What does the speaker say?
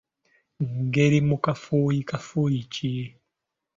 Ng’eri mu kafuuyi Kafuuyi ki?